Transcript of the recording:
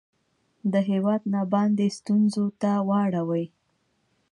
د هیواد نه باندې ستونځو ته واړوي